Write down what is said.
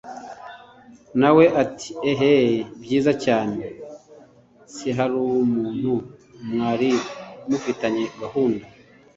nawe ati eeeeh!byiza cyane! siharumuntu mwari mufitanye gahunda!